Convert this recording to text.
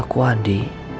oh ternyata andi